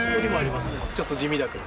ちょっと地味だけど。